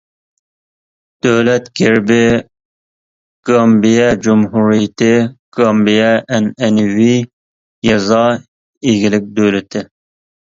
دۆلەت گېربى گامبىيە جۇمھۇرىيىتى گامبىيە ئەنئەنىۋى يېزا ئىگىلىك دۆلىتى.